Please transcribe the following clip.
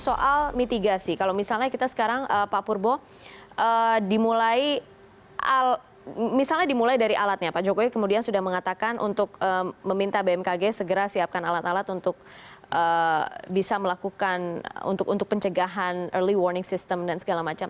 soal mitigasi kalau misalnya kita sekarang pak purbo dimulai misalnya dimulai dari alatnya pak jokowi kemudian sudah mengatakan untuk meminta bmkg segera siapkan alat alat untuk bisa melakukan untuk pencegahan early warning system dan segala macam